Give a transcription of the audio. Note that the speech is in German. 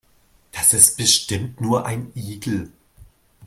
Das ist bestimmt nur ein Igel.